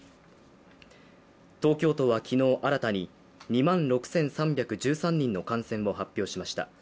東京都は昨日新たに２万６３１３人の感染を発表しました。